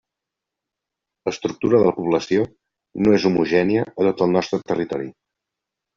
L'estructura de la població no és homogènia a tot el nostre territori.